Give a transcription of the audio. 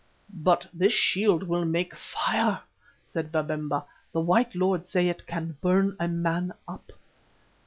"But this shield will make fire," said Babemba. "The white lords say it can burn a man up."